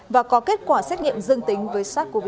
và có kết quả xét nghiệm dương tính với sars cov hai